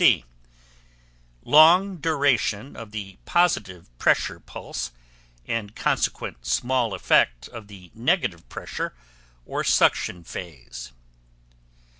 C. Long duration of the positive pressure pulse and consequent small effect of the negative pressure, or suction, phase.